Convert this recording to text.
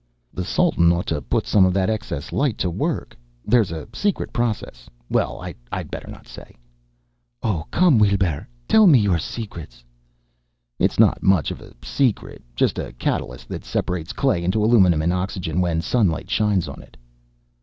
"The Sultan ought to put some of that excess light to work. There's a secret process.... Well, I'd better not say." "Oh come, Weelbrrr! Tell me your secrets!" "It's not much of a secret. Just a catalyst that separates clay into aluminum and oxygen when sunlight shines on it."